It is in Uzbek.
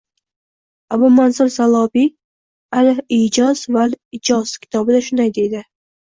Abu Mansur Saolibiy “Al-Iyjoz val i’joz” kitobida shunday deydi: